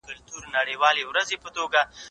زه به سبا د کتابتون د کار مرسته کوم؟